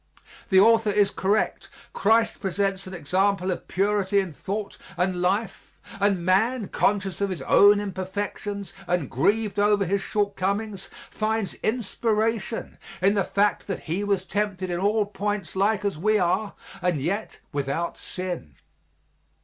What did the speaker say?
The author is correct, Christ presents an example of purity in thought and life, and man, conscious of his own imperfections and grieved over his shortcomings, finds inspiration in the fact that He was tempted in all points like as we are, and yet without sin.